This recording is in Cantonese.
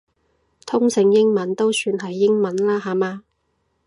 通勝英文都算係英文啦下嘛